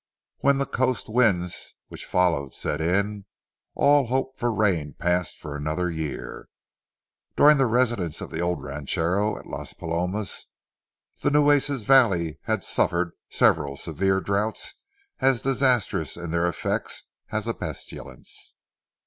When the coast winds which followed set in, all hope for rain passed for another year. During the residence of the old ranchero at Las Palomas, the Nueces valley had suffered several severe drouths as disastrous in their effects as a pestilence.